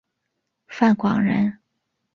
范广人。